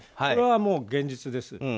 これはもう現実です。